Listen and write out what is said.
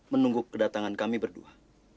menunggu kedatangan kami berdua